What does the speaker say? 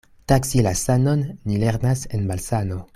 Taksi la sanon ni lernas en malsano.